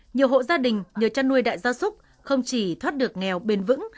nhiều hộ gia đình nhờ chăn nuôi đại gia súc không chỉ thoát được nghèo bền vững